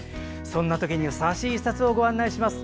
そんな時にふさわしい１冊をご案内します。